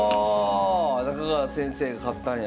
中川先生が勝ったんや。